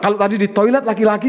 kalau tadi di toilet laki laki